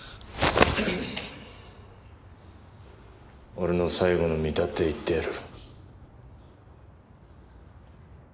俺の最後の見立て言ってやる。